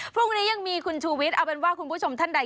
พรุ่งนี้ยังมีคุณชูวิทย์เอาเป็นว่าคุณผู้ชมท่านใด